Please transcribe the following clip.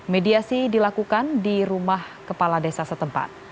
mediasi dilakukan di rumah kepala desa setempat